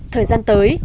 thời gian tới